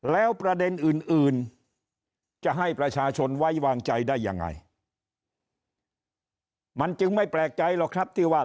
แล้วประเด็นอื่นจะให้ประชาชนไว้วางใจได้ยังไงมันจึงไม่แปลกใจหรอกครับที่ว่า